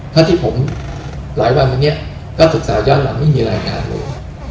เท่าที่ผมหลายวันวันนี้ก็ศึกษาย้อนหลังไม่มีรายงานเลย